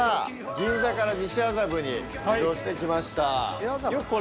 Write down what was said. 銀座から西麻布に移動して来ました。